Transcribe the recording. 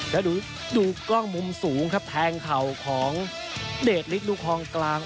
แล้วดูกล้องมุมสูงครับแทงเข่าของเดชฤทธลูกคลองกลาง